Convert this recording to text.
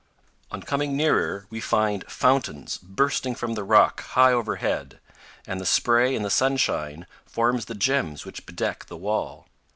On coming nearer we find fountains bursting from the rock high overhead, and the spray in the sunshine forms the gems which bedeck the wall.